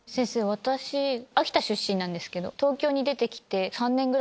私秋田出身なんですけど東京に出てきて。